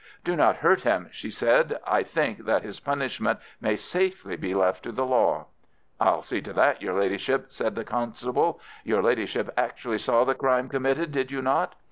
"Do not hurt him," said she. "I think that his punishment may safely be left to the law." "I'll see to that, your Ladyship," said the constable. "Your Ladyship actually saw the crime committed, did you not?"